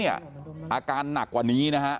พี่สาวของเธอบอกว่ามันเกิดอะไรขึ้นกับพี่สาวของเธอ